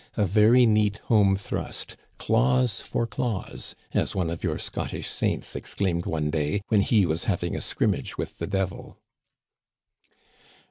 "A very neat home thrust Claws for claws, as one of your Scottish saints exclaimed one day, when he was having a scrimmage with the devil."